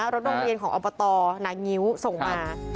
รถโรงเรียนของอบตนางิ้วส่งมา